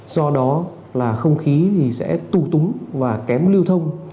do đó là không khí thì sẽ tù túng và kém lưu thông